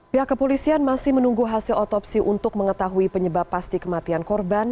pihak kepolisian masih menunggu hasil otopsi untuk mengetahui penyebab pasti kematian korban